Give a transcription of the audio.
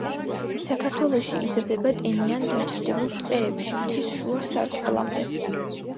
საქართველოში იზრდება ტენიან დაჩრდილულ ტყეებში, მთის შუა სარტყლამდე.